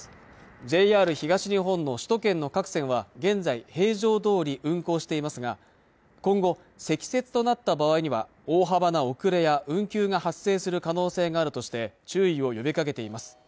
ＪＲ東日本の首都圏の各線は現在平常どおり運行していますが今後積雪となった場合には大幅な遅れや運休が発生する可能性があるとして注意を呼びかけています